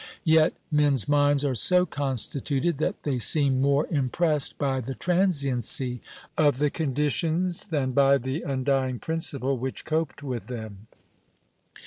Yet men's minds are so constituted that they seem more impressed by the transiency of the conditions than by the undying principle which coped with them.